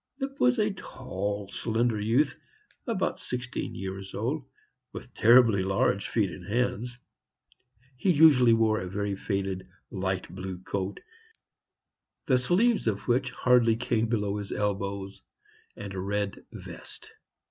Lipp was a tall, slender youth, about sixteen years old, with terribly large feet and hands. He usually wore a very faded, light blue coat, the sleeves of which hardly came below his elbows, and a red vest.